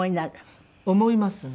思いますね。